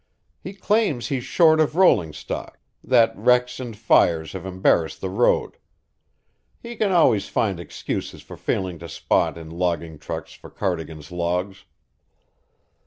"He claims he's short of rolling stock that wrecks and fires have embarrassed the road. He can always find excuses for failing to spot in logging trucks for Cardigan's logs.